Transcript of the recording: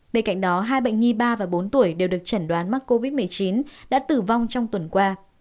bên cạnh đó hai bệnh nhi ba và bốn tuổi đều được chẩn đoán mắc covid một mươi chín đã tử vong trong tuần qua